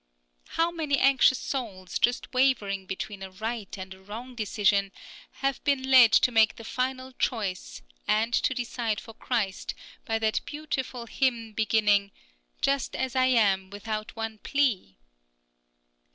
How many anxious souls, just wavering between a right and a wrong decision, have been led to make the final choice, and to decide for Christ, by that beautiful hymn beginning "Just as I am, without one plea"?